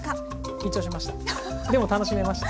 緊張しました。